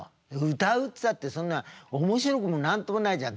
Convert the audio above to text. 「歌うっつったってそんな面白くも何ともないじゃん」。